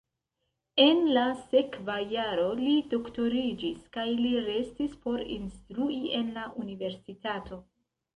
En la sekva jaro li doktoriĝis kaj li restis por instrui en la universitato.